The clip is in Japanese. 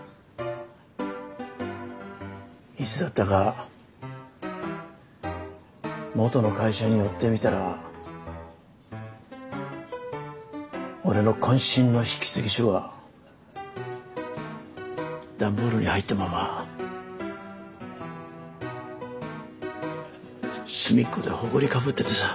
いつだったか元の会社に寄ってみたら俺の渾身の引き継ぎ書が段ボールに入ったまま隅っこでホコリかぶっててさ。